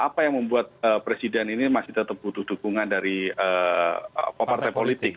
apa yang membuat presiden ini masih tetap butuh dukungan dari partai politik